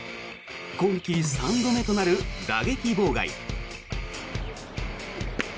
今季３度目となる打撃妨害。